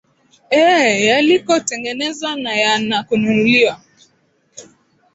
ee yaliko tengenezwa na ya na kununuliwa